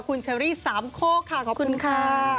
คุณเชอรี่สามโคกค่ะขอบคุณค่ะ